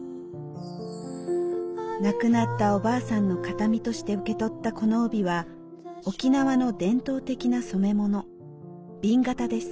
亡くなったおばあさんの形見として受け取ったこの帯は沖縄の伝統的な染め物紅型です。